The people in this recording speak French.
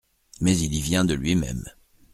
Mais il y vient de lui-même.